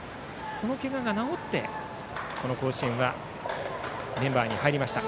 そのけがが治って、この甲子園はメンバーに入りました。